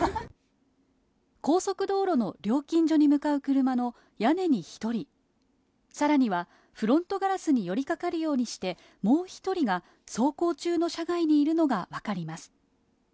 高速道路の料金所に向かう車の屋根に１人、さらにはフロントガラスに寄りかかるようにして、もう１人が走行中の車外にいるのが分かります。